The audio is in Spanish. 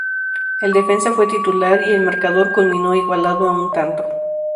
El defensa fue titular, y el marcador culminó igualado a un tanto.